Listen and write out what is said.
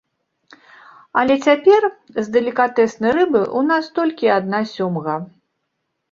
Але цяпер з далікатэснай рыбы ў нас толькі адна сёмга.